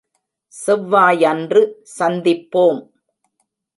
செவ்வாயன்று சந்திப்போம்!